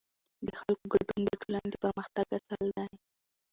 د خلکو ګډون د ټولنې د پرمختګ اصل دی